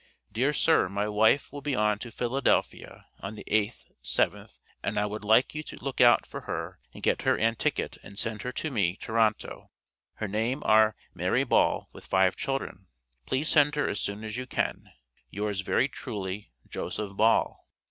Dear Sir my wife will be on to Philadelphia on the 8th 7th, and I would you to look out for her and get her an ticket and send her to me Toronto. Her name are May Ball with five children. Please send her as soon as you can. Yours very truly, JOSEPH BALL.